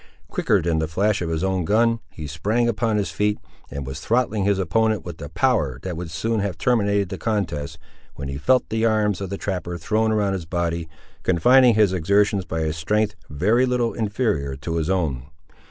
Quicker than the flash of his own gun he sprang upon his feet, and was throttling his opponent with a power that would soon have terminated the contest, when he felt the arms of the trapper thrown round his body, confining his exertions by a strength very little inferior to his own.